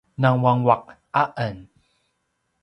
nanguanguaq a en